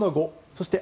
そして